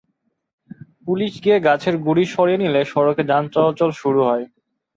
Police গিয়ে গাছের গুঁড়ি সরিয়ে নিলে সড়কে যান চলাচল শুরু হয়।